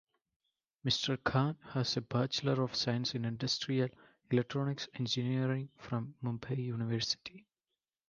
Mr. Khan has a Bachelor of Science in Industrial Electronics Engineering from Mumbai University.